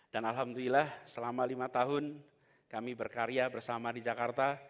dan alhamdulillah selama lima tahun kami berkarya bersama di jakarta